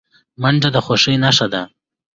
منډه د خوښۍ نښه ده